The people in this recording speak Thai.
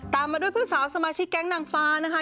ตามมาด้วยผู้สาวสมาชิกแก๊งนางฟ้านะคะ